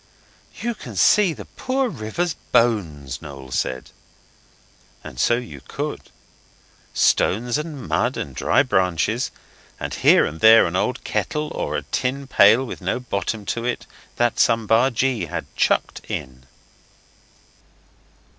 'You can see the poor river's bones,' Noel said. And so you could. Stones and mud and dried branches, and here and there an old kettle or a tin pail with no bottom to it, that some bargee had chucked in.